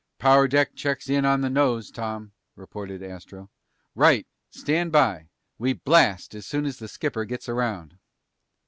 "Power deck checks in on the nose, Tom," reported Astro. "Right! Stand by! We blast as soon as the skipper gets around."